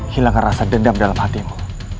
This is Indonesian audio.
hilangkan rasa dendam dalam hatimu